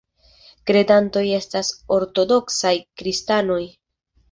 Kredantoj estas ortodoksaj kristanoj.